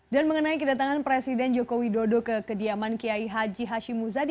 dan mengenai kedatangan presiden joko widodo ke kediaman kiai haji hashim muzadi